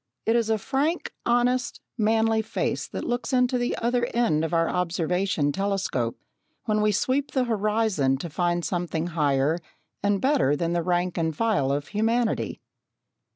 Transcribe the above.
It is a frank, honest, manly face that looks into the other end of our observation telescope when we sweep the horizon to find something higher and better than the rank and file of humanity.